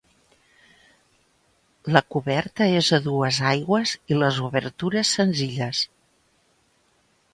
La coberta és a dues aigües i les obertures senzilles.